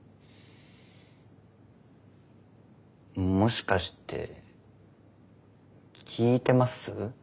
もしかして聞いてます？